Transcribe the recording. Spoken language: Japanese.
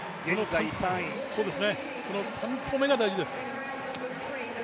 この３投目が大事です。